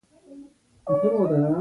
له ځان سره لګيا يم چې قانع ګله.